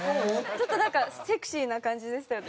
ちょっとなんかセクシーな感じでしたよね。